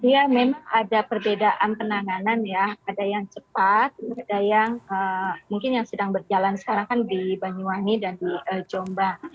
ya memang ada perbedaan penanganan ya ada yang cepat ada yang mungkin yang sedang berjalan sekarang kan di banyuwangi dan di jombang